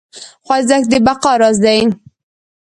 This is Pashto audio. خوځښت د بقا راز دی.